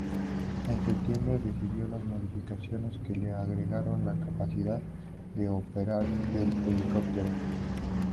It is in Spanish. En septiembre, recibió las modificaciones que le agregaron la capacidad de operar del helicópteros.